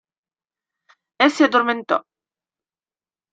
E si addormentò.